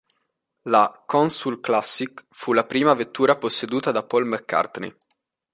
La "Consul Classic" fu la prima vettura posseduta da Paul McCartney.